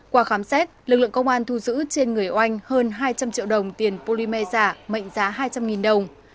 qua khám xét lực lượng công an thu giữ trên người oanh hơn hai trăm linh triệu đồng tiền polymer giả mệnh giá hai trăm linh đồng